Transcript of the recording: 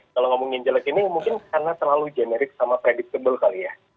kalau ngomongin jelek ini mungkin karena terlalu generik sama predictable kali ya